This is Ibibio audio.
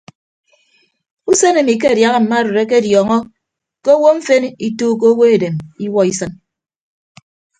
Usen emi ke adiaha mma arịd akediọọñọ ke owo mfen ituuko owo edem iwuọ isịn.